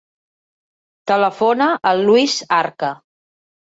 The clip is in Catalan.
Telefona al Luis Arca.